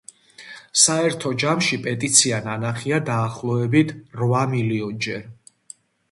საერთო ჯამში, პეტიცია ნანახია დაახლოებით რვა მილიონჯერ.